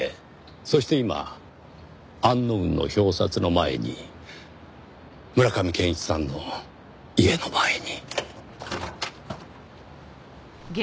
そして今アンノウンの表札の前に村上健一さんの家の前に。